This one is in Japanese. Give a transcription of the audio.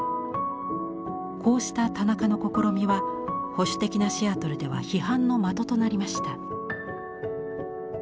こうした田中の試みは保守的なシアトルでは批判の的となりました。